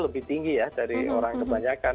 lebih tinggi ya dari orang kebanyakan